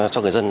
cho người dân